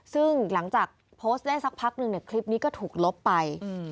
ซึ่งหลังจากโพสต์ได้สักพักนึงเนี่ยคลิปนี้ก็ถูกลบไป